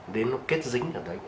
đến nó kết dính ở đấy